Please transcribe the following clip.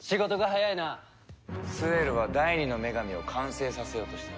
スエルは第２の女神を完成させようとしてる。